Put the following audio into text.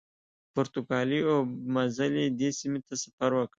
پرتګالي اوبمزلي دې سیمې ته سفر وکړ.